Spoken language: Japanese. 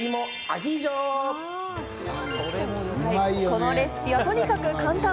このレシピはとにかく簡単。